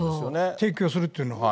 提供するっていうのを。